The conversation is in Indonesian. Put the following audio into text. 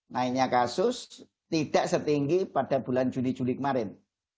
naiknya kasus tidak setinggi pada bulan juli juli kemarin